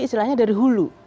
istilahnya dari hulu